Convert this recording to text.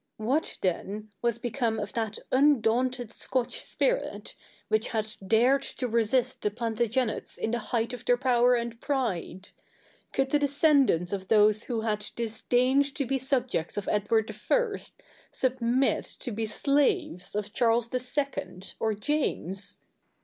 What, then, was become of that undaunted Scotch spirit, which had dared to resist the Plantagenets in the height of their power and pride? Could the descendants of those who had disdained to be subjects of Edward I. submit to be slaves of Charles II. or James?